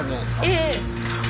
ええ。